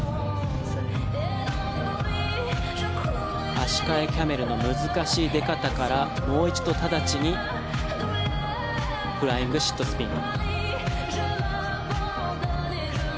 足換えキャメルの難しい出方からもう一度直ちにフライングシットスピン。